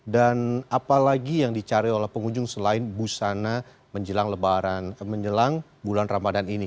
dan apalagi yang dicari oleh pengunjung selain busana menjelang bulan ramadhan ini